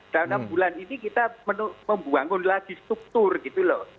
dan enam bulan ini kita membuangkan lagi struktur gitu loh